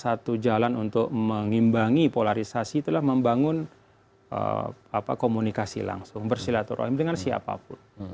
salah satu jalan untuk mengimbangi polarisasi itulah membangun eee apa komunikasi langsung bersilaturrahim dengan siapapun